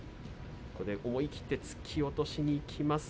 思い切って突き落としにいきました。